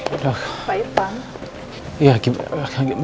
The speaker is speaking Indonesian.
sabar dihimpikan bentuk kamu